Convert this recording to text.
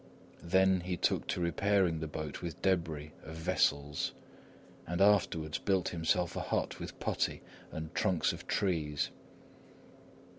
Then he took to repairing the boat with debris of vessels, and afterwards built himself a hut with putty and trunks of trees.